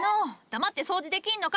黙って掃除できんのか！